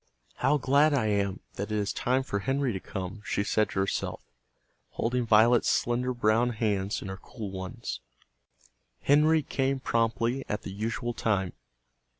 "How glad I am that it is time for Henry to come!" she said to herself, holding Violet's slender brown hands in her cool ones. Henry came promptly at the usual time.